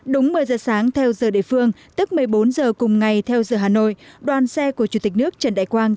đúng một mươi giờ sáng theo giờ địa phương tức một mươi bốn giờ cùng ngày theo giờ hà nội đoàn xe của chủ tịch nước trần đại quang